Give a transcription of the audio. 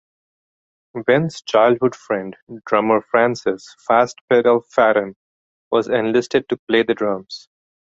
Ben's childhood friend, drummer Frances "Fast Pedal" Farran was enlisted to play the drums.